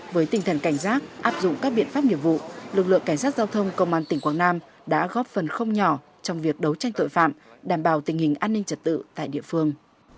với tinh thần cảnh giác áp dụng các biện pháp nghiệp vụ lực lượng cảnh sát giao thông công an tỉnh quảng nam đã góp phần không nhỏ trong việc đấu tranh tội phạm đảm bảo tình hình an ninh trật tự tại địa phương